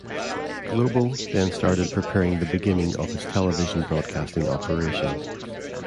"Globo" then started preparing the beginning of its television broadcasting operations.